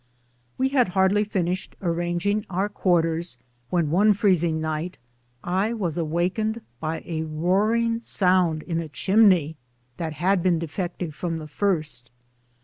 We had hardly finished arranging our quarters when, one freezing night, I was awakened by a roaring sound in a chimney that liad been defective from the first.